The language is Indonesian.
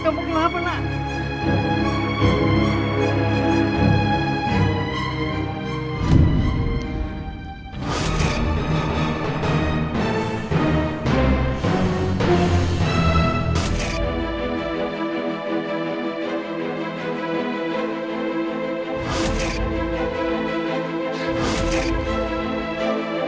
kamu kenapa nak